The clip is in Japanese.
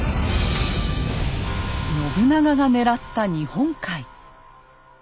信長が狙った日本海。